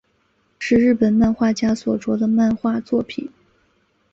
是日本漫画家所着的漫画作品。